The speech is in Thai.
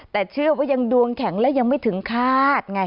แต่เชื่อว่ายังดวงแข็งและยังไม่ถึงคาดไง